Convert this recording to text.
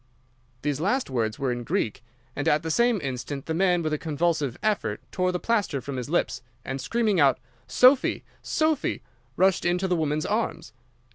"These last words were in Greek, and at the same instant the man with a convulsive effort tore the plaster from his lips, and screaming out 'Sophy! Sophy!' rushed into the woman's arms.